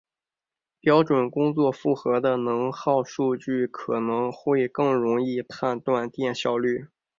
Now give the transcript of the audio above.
标准工作负荷的能耗数据可能会更容易判断电效率。